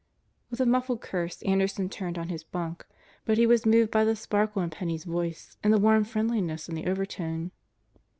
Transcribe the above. With a muffled curse Anderson turned on his bunk; but he was moved by the sparkle in Penney's voice and the warm friendliness in the overtone.